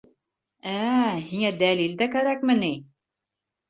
Ә-ә... һиңә дәлил дә кәрәкме ни?